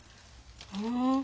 ふん。